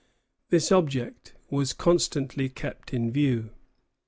" This object was constantly kept in view.